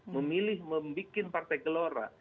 memilih membuat partai gelora